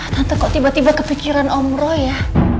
tante kok tiba tiba kepikiran om roy ya